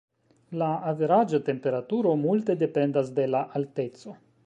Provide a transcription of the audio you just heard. La averaĝa temperaturo multe dependas de la alteco.